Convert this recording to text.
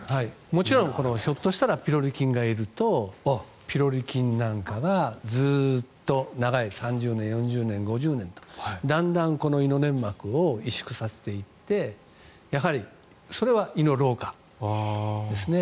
もちろんひょっとしたらピロリ菌がいるとピロリ菌なんかがずっと長い３０年、４０年、５０年とだんだん胃の粘膜を萎縮させていってやはり、それは胃の老化ですね。